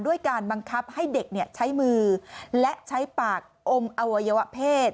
การบังคับให้เด็กใช้มือและใช้ปากอมอวัยวะเพศ